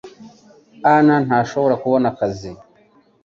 ann ntashobora kubona akazi